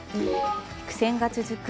苦戦が続く